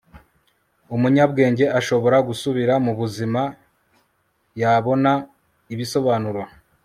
umunyabwenge ashobora gusubira mubuzima, yabona ibisobanuro